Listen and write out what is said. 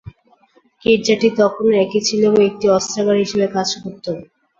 গির্জাটি তখনও একই ছিল এবং একটি অস্ত্রাগার হিসেবে কাজ করত।